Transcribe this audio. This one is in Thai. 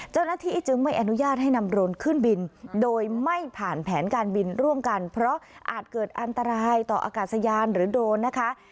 เจ้าหน้าที่จึงไม่อนุญาตให้นำโรนขึ้นบินโดยไม่ผ่านแผนการบินร่วมกันเพราะอาจเกิดอันตรายต่ออากาศยานหรือโดรนนะคะ